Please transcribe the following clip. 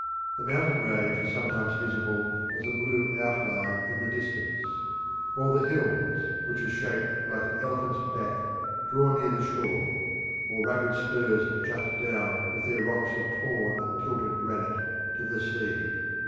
The mountain range is sometimes visible as a blue outline in the distance; or the hills, which are shaped like an elephant's back, draw near the shore: or rugged spurs jut down with their rocks of torn and tilted granite to the sea.